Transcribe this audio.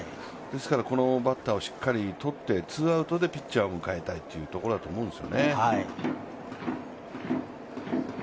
このバッターをしっかり取ってツーアウトでピッチャーを迎えたいところだと思うんです。